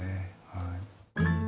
はい。